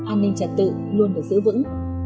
an ninh trật tự luôn được giữ vững